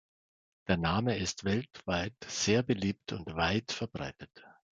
Der Name ist weltweit sehr beliebt und weit verbreitet.